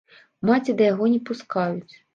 Маці да яго не пускаюць.